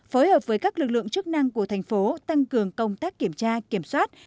phối hợp với các lực lượng chức năng của thành phố tăng cường công tác kiểm tra kiểm soát